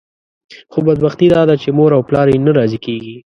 خو بدبختي داده چې مور او پلار یې نه راضي کېږي.